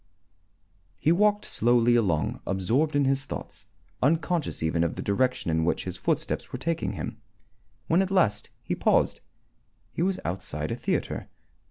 He walked slowly along, absorbed in his thoughts, unconscious even of the direction in which his footsteps were taking him. When at last he paused, he was outside a theatre.